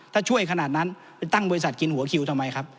ถ้าช่วยขนาดนั้นไปตั้งบริษัทกินหัวคิวทำไมครับ